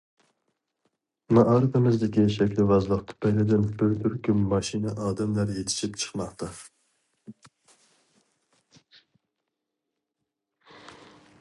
مائارىپىمىزدىكى شەكىلۋازلىق تۈپەيلىدىن بىر تۈركۈم ماشىنا ئادەملەر يېتىشىپ چىقماقتا.